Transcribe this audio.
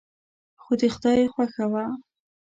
خو د خدای خوښه وه.